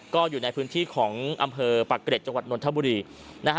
ก็อยู่ในพื้นที่ของอำเภอปากเกร็จจังหวัดนทบุรีนะฮะ